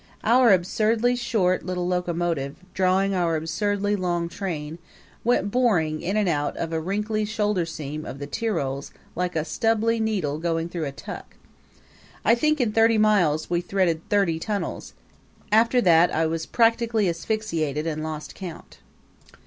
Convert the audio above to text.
Our absurdly short little locomotive, drawing our absurdly long train, went boring in and out of a wrinkly shoulder seam of the Tyrols like a stubby needle going through a tuck. I think in thirty miles we threaded thirty tunnels; after that I was practically asphyxiated and lost count.